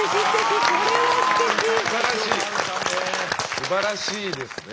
すばらしいですね。